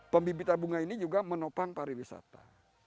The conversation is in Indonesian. pembibitan bunga ini juga menopang pariwisata